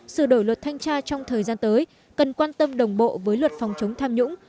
sự đổi luật thanh tra trong thời gian tới cần quan tâm đồng bộ với luật phòng chống tham nhũng